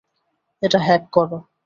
এটা হ্যাক কর।